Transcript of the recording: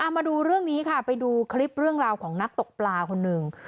มาดูเรื่องนี้ค่ะไปดูคลิปเรื่องราวของนักตกปลาคนหนึ่ง